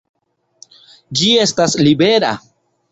Ĝi estas libera!